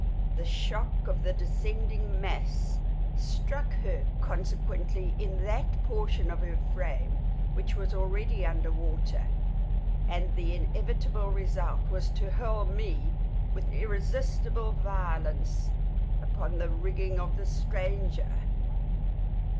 The shock of the descending mass struck her, consequently, in that portion of her frame which was already under water, and the inevitable result was to hurl me, with irresistible violence, upon the rigging of the stranger.